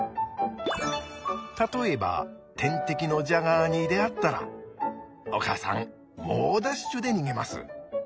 例えば天敵のジャガーに出会ったらお母さん猛ダッシュで逃げます！